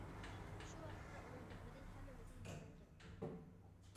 شۇ ۋاقىتتا ئۇنىڭ گەپلىرى ھەممىمىزگە ياراپ كەتكەن.